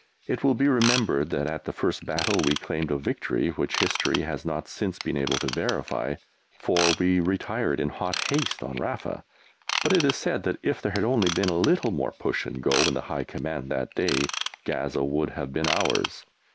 It will be remembered that at the first battle we claimed a victory which history has not since been able to verify, for we retired in hot haste on Rafa; but it is said that, if there had only been a little more push and go in the high command that day, Gaza would have been ours.